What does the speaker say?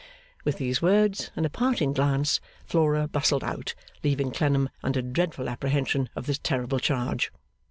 With those words and a parting glance, Flora bustled out, leaving Clennam under dreadful apprehension of this terrible charge.